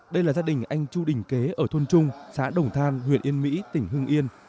đây là gia đình anh chu đình kế ở thôn trung xã đồng than huyện yên mỹ tỉnh hưng yên